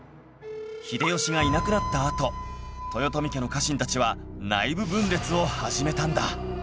秀吉がいなくなったあと豊臣家の家臣たちは内部分裂を始めたんだ